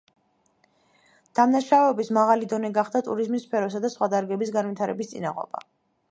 დამნაშავეობის მაღალი დონე გახდა ტურიზმის სფეროს და სხვა დარგების განვითარების წინაღობა.